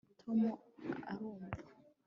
tom arumva